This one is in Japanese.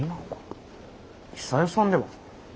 久代さんでは？